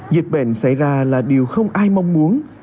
dịch bệnh xảy ra là điều không ai mong muốn